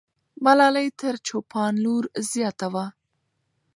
ملالۍ تر چوپان لور زیاته وه.